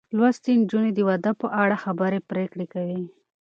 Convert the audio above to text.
لوستې نجونې د واده په اړه خبرې پرېکړې کوي.